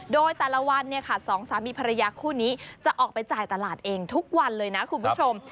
โดยแต่ละวันเนี่ยค่ะสองสามีภรรยาคู่นี้จะออกไปจ่ายตลาดเองทุกวันเลยนะคุณผู้ชม